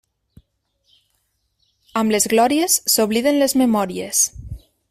Amb les glòries, s'obliden les memòries.